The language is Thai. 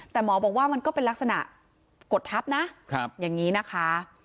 แต่หมอบอกว่ามันก็เป็นลักษณะกดทับนะอย่างนี้นะคะ